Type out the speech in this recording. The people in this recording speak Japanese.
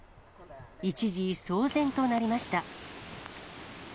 一時、騒然となりました。